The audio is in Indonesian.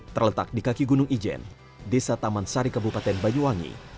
terletak di kaki gunung ijen desa taman sari kabupaten banyuwangi